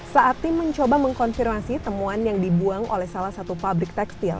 saat tim mencoba mengkonfirmasi temuan yang dibuang oleh salah satu pabrik tekstil